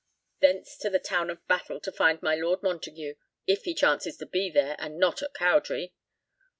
Thence to the town of Battle to find my Lord Montague, if he chances to be there and not at Cowdray.